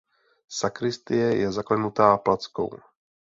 Sakristie je zaklenuta plackou.